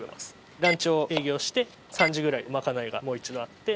ランチを営業して３時ぐらいにまかないがもう一度あって。